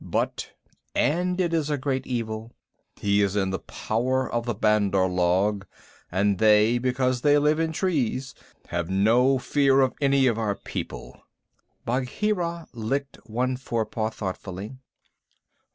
But (and it is a great evil) he is in the power of the Bandar log, and they, because they live in trees, have no fear of any of our people." Bagheera licked one forepaw thoughtfully.